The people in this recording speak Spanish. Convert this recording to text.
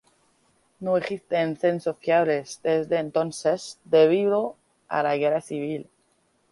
No existen censos fiables desde entonces debido a la guerra civil.